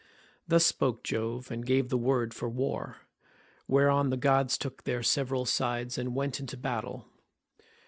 Thus spoke Jove and gave the word for war, whereon the gods took their several sides and went into battle.